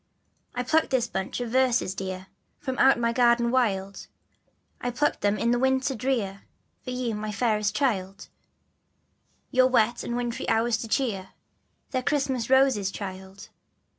I plucked this bunch of verses, dear, From out my garden wild, I plucked them in the winter drear For you, my fairest child, Your wet and wintry hours to cheer, They're Christmas Roses, child.